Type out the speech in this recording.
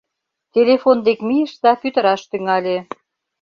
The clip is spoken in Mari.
Телефон дек мийыш да пӱтыраш тӱҥале: